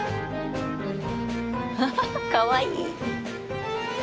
ハハハかわいい。